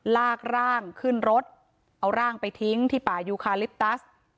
ลากร่างขึ้นรถเอาร่างไปทิ้งที่ป่ายูคาลิปตัส